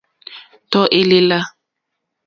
Tɔ̀ èlèlà.